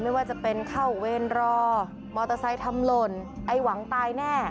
ไม่ว่าจะเป็นเข้าเวรรอมอเตอร์ไซค์ทำหล่นไอ้หวังตายแน่